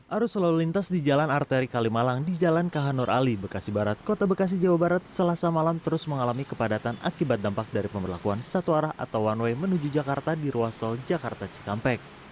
arus lalu lintas di jalan arteri kalimalang di jalan kh nur ali bekasi barat kota bekasi jawa barat selasa malam terus mengalami kepadatan akibat dampak dari pemberlakuan satu arah atau one way menuju jakarta di ruas tol jakarta cikampek